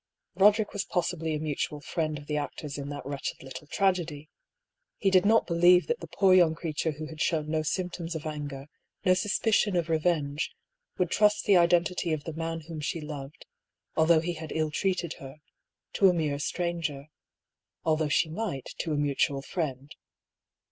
Roderick was possibly a mutual friend of the actors in that wretched little tragedy. He did not believe that the poor young creature who had shown no symptoms of anger, no suspicion of revenge, would trust the identity of the man whom she loved, although he had illtreated her, to a mere stranger — although she might to a mutual friend.